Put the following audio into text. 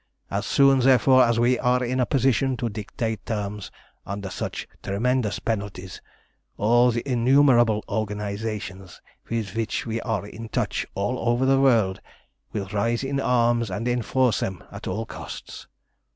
As soon, therefore, as we are in a position to dictate terms under such tremendous penalties, all the innumerable organisations with which we are in touch all over the world will rise in arms and enforce them at all costs.